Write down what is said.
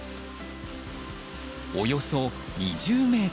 およそ２０ｍ。